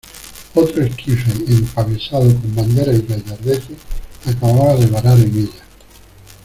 otro esquife empavesado con banderas y gallardetes, acababa de varar en ella